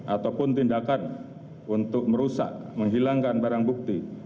ataupun tindakan untuk merusak menghilangkan barang bukti